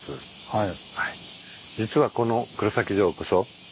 はい。